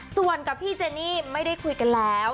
ส่วนกับพี่เจนี่ไม่ได้คุยกันแล้ว